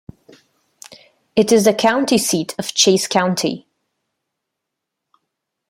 It is the county seat of Chase County.